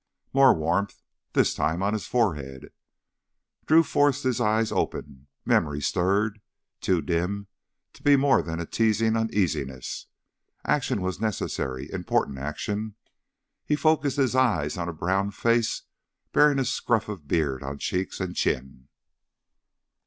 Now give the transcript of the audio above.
More warmth, this time on his forehead. Drew forced his eyes open. Memory stirred, too dim to be more than a teasing uneasiness. Action was necessary, important action. He focused his eyes on a brown face bearing a scruff of beard on cheeks and chin.